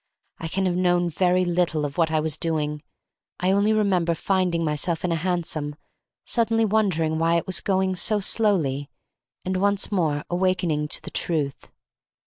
I can have known very little of what I was doing. I only remember finding myself in a hansom, suddenly wondering why it was going so slowly, and once more awaking to the truth.